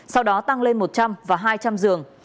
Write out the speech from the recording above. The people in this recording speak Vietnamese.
sau đó tăng lên một trăm linh và hai trăm linh giường